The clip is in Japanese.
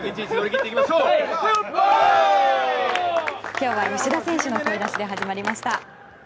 今日は吉田選手の声出しで始まりました。